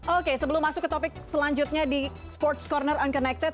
oke sebelum masuk ke topik selanjutnya di sports corner unconnected